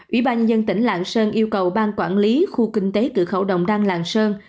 ủy ban nhân tỉnh lạng sơn yêu cầu ban quản lý khu kinh tế cửa khẩu đồng đăng lạng sơn